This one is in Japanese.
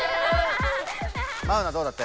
マウナどうだった？